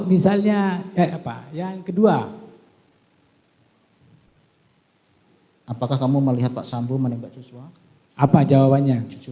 misalnya eh apa yang kedua apakah kamu melihat pak sambo menembak joshua apa jawabannya